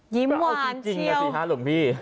ยิ้มหวานเชี่ยวเอาจริงจริงนะสิฮะหลุงพี่